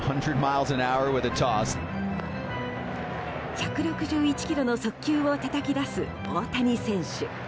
１６１キロの速球をたたき出す大谷選手。